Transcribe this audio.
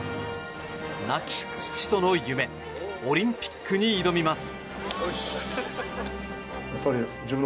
亡き父との夢オリンピックに挑みます。